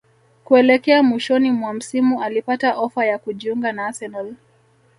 kuelekea mwishoni mwa msimu alipata ofa ya kujiunga na Arsenal